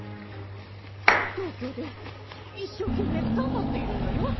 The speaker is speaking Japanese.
東京で一生懸命、頑張っているんだよ。